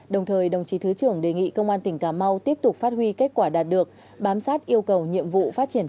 đồng thời đồng chí thứ trưởng đề nghị công an tỉnh cà mau tiếp tục phát huy kết quả đạt được bám sát yêu cầu nhiệm vụ phát triển